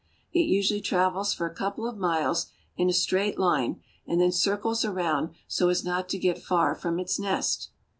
It usually travels for a couple of miles in a straight line and then circles around so as not to get far from its nest.